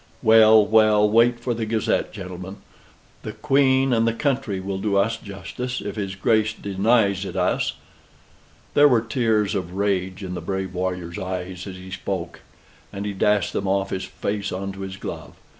Well, well, wait for the Gazette, gentlemen. The Queen and the country will do us justice if his Grace denies it us." There were tears of rage in the brave warrior's eyes as he spoke; and he dashed them off his face on to his glove.